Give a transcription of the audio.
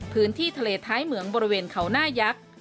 พื้นที่ทะเลท้ายเหมืองบริเวณเขาหน้ายักษ์